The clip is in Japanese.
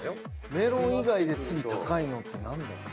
メロン以外で次高いのって何だろう？